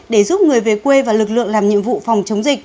để giúp người về quê và lực lượng làm nhiệm vụ phòng chống dịch